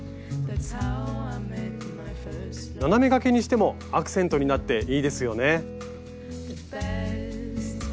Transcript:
斜めがけにしてもアクセントになっていいですよね。